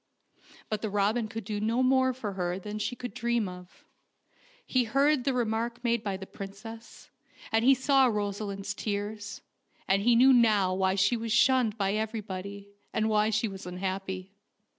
But the robin could do more for her than she could dream of. He heard the remark made by the princess, and he saw Rosaleen's tears, and he knew now why she was shunned by every body, and why she was so unhappy.